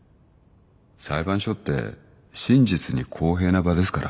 「裁判所って真実に公平な場ですから」